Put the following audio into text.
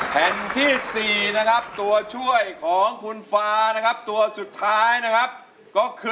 แผ่นที่๔นะครับตัวช่วยของคุณฟ้านะครับตัวสุดท้ายนะครับก็คือ